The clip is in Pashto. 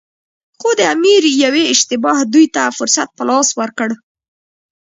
خو د امیر یوې اشتباه دوی ته فرصت په لاس ورکړ.